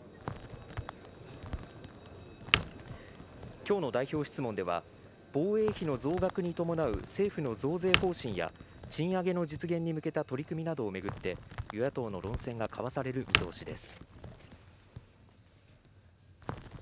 きょうの代表質問では、防衛費の増額に伴う政府の増税方針や、賃上げの実現に向けた取り組みなどを巡って、与野党の論戦が交わされる見通しです。